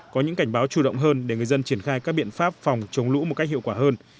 có những cảnh báo chủ động hơn để người dân triển khai các biện pháp phòng chống lũ một cách hiệu quả hơn